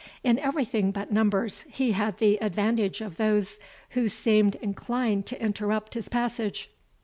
In everything but numbers, he had the advantage of those who seemed inclined to interrupt his passage.